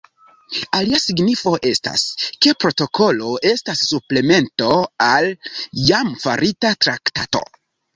Alia signifo estas, ke protokolo estas suplemento al jam farita traktato.